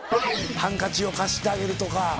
ハンカチを貸してあげるとか。